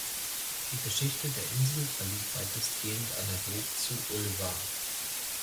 Die Geschichte der Insel verlief weitestgehend analog zu Ulva.